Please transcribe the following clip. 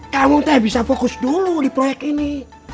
kamu tak bisa fokus dulu di proyek ini